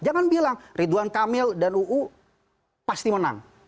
jangan bilang ridwan kamil dan uu pasti menang